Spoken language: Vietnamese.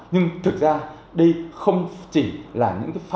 nhưng thực ra đây không chỉ là những phong trào